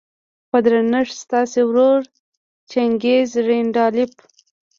په درنښت ستاسې ورور جيننګز رينډالف.